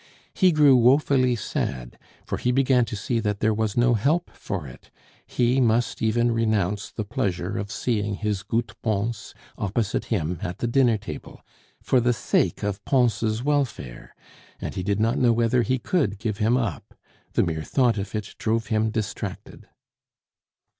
He grew woefully sad, for he began to see that there was no help for it; he must even renounce the pleasure of seeing "his goot Bons" opposite him at the dinner table, for the sake of Pons' welfare; and he did not know whether he could give him up; the mere thought of it drove him distracted.